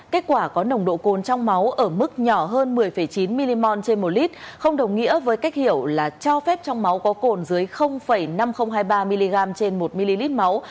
kết quả có nồng độ cồn trong máu ở mức nhỏ hơn một mươi chín mmol trên một lít không đồng nghĩa với cách hiểu là cho phép trong máu có cồn dưới năm nghìn hai mươi ba mg trên một ml máu